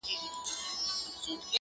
• ږغ ته د زمري به د ګیدړو ټولۍ څه وايی-